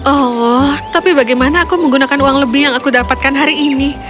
oh tapi bagaimana aku menggunakan uang lebih yang aku dapatkan hari ini